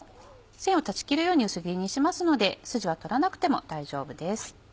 線を断ち切るように薄切りにしますのでスジは取らなくても大丈夫です。